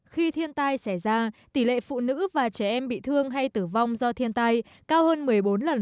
khi thiên tai xảy ra tỷ lệ phụ nữ và trẻ em bị thương hay tử vong do thiên tai cao hơn một mươi bốn lần